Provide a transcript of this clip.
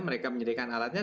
mereka menyediakan alatnya